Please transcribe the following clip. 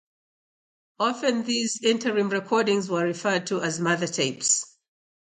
Often these interim recordings were referred to as Mother Tapes.